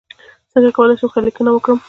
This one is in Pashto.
څنګه کولی شم ښه لیکنه وکړم